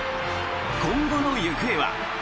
今後の行方は。